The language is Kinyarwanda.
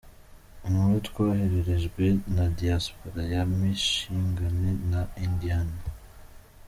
Inkuru twohererejwe na Diaspora ya Michigan na Indiana.